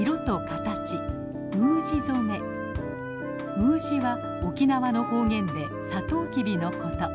「ウージ」は沖縄の方言でサトウキビのこと。